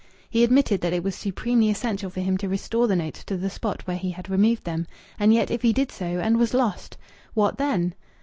He admitted that it was supremely essential for him to restore the notes to the spot whence he had removed them.... And yet if he did so, and was lost? What then?